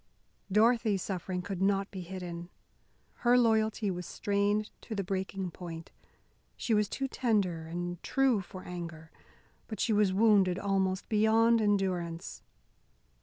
Dorothy's suffering could not be hidden. Her loyalty was strained to the breaking point. She was too tender and true for anger, but she was wounded almost beyond endurance.